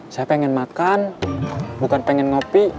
saya pengen makan bukan pengen ngopi